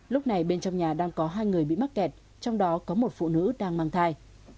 lúc này bên trong nhà đang có hai người bị mắc kẹt trong đó có một phụ nữ đang mang thai